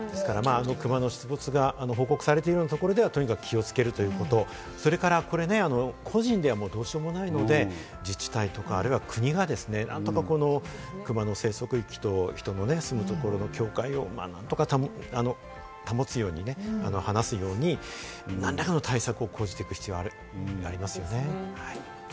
クマの出没が報告されているようなところでは、とにかく気をつけるということ、それから個人ではもうどうしようもないので、自治体とか、あるいは国がですね、何とかクマの生息域と人の住むところの境界を保つようにね、離すように何らかの対策を講じていく必要がありますよね。